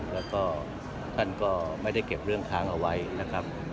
แล้วก็ท่านก็ไม่ได้เก็บเรื่องค้างเอาไว้นะครับ